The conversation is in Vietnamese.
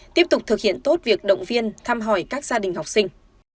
tiếp tục thực hiện tốt việc động viên thăm hỏi các gia đình học sinh